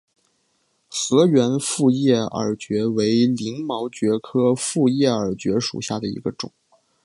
河源复叶耳蕨为鳞毛蕨科复叶耳蕨属下的一个种。